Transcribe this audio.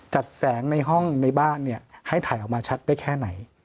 จัดแสงในห้องในบ้านให้ถ่ายออกมาชัดได้แค่ไหน